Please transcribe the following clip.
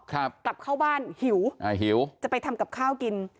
กลับเข้าบ้านหิวอ่าหิวจะไปทำกับข้าวกิน